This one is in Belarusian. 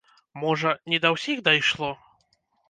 Можа, не да ўсіх дайшло.